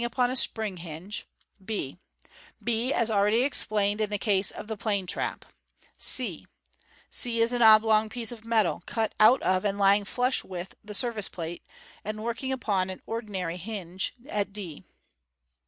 265. upon a spring hinge I I, as already explained in the case of the plain trap j c c is an oblong piece of metal, cut out of and lying flush with the surface plate, and working upon an ordinary hinge at d.